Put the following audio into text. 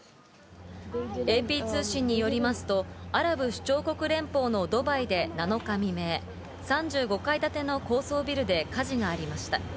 ＡＰ通信によりますと、アラブ首長国連邦のドバイで７日未明、３５階建ての高層ビルで火事がありました。